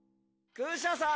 クシャさん。